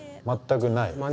全くない？